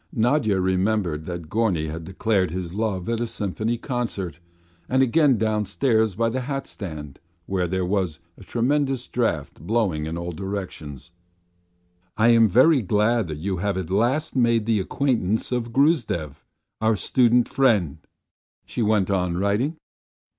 Nadya remembered that Gorny had declared his love at a Symphony concert, and again downstairs by the hatstand where there was a tremendous draught blowing in all directions. "I am very glad that you have at last made the acquaintance of Gruzdev, our student friend," she went on writing.